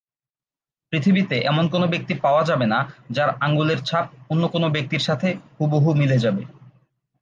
পৃথিবীতে এমন কোনো ব্যক্তি পাওয়া যাবে না যার আঙ্গুলে ছাপ অন্য কোনো ব্যক্তির সাথে হুবহু মিলে যাবে।